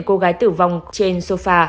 cô gái tử vong trên sofa